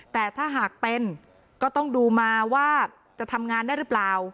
แต่ถ้าหากเป็นก็ต้องดูมาว่าจะทำงานได้หรือเปล่า